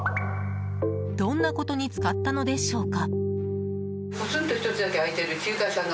どんなことに使ったのでしょうか？